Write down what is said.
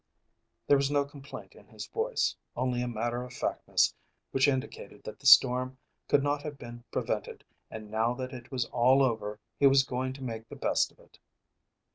There was no complaint in his voice, only a matter of factness which indicated that the storm could not have been prevented and now that it was all over he was going to make the best of it.